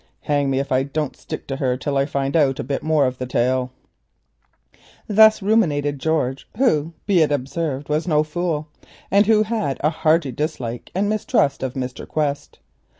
Hang me if I don't stick to her till I find out a bit more of the tale." Thus ruminated George, who, be it observed, was no fool, and who had a hearty dislike and mistrust of Mr. Quest.